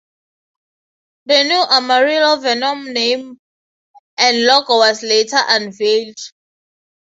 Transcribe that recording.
The new Amarillo Venom name and logo was later unveiled.